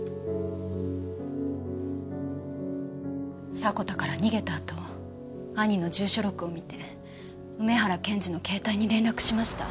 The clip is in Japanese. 迫田から逃げたあと兄の住所録を見て梅原検事の携帯に連絡しました。